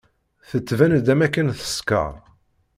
Tettban-d am akken teskeṛ.